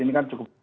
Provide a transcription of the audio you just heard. ini kan cukup